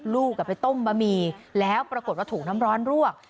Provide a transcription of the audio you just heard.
ลูกไปต้มบะหมี่แล้วปรากฏว่าถูกน้ำร้อนรวก